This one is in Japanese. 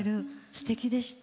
すてきでした。